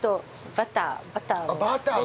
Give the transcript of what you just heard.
バターバター。